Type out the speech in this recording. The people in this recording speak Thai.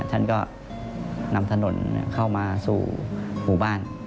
ท่านก็นำถนนเข้ามาสู่หมู่บ้าน